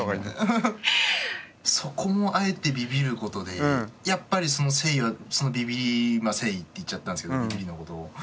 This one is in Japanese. そこもあえてビビることでやっぱりその誠意はそのビビり今誠意って言っちゃったんですけどビビりのことを。